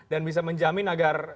dan bisa menjamin agar